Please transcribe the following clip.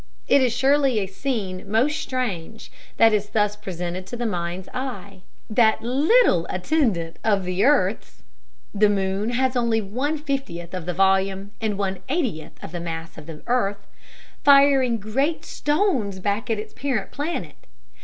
It is surely a scene most strange that is thus presented to the mind's eye—that little attendant of the earth's (the moon has only one fiftieth of the volume, and only one eightieth of the mass of the earth) firing great stones back at its parent planet!